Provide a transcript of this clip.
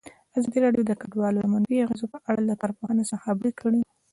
ازادي راډیو د کډوال د منفي اغېزو په اړه له کارپوهانو سره خبرې کړي.